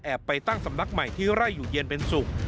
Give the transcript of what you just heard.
ไปตั้งสำนักใหม่ที่ไร่อยู่เย็นเป็นสุข